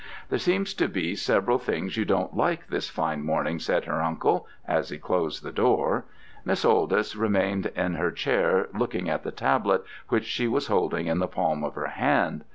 "There seem to be several things you don't like this fine morning," said her uncle, as he closed the door. Miss Oldys remained in her chair looking at the tablet, which she was holding in the palm of her hand.